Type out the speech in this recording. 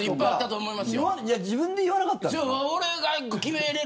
自分で言わなかったんですね。